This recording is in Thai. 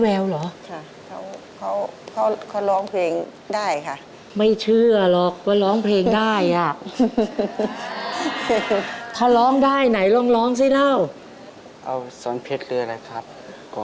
ตาของน้องน่ะตาของน้องจะมีอะไรไม่ถูก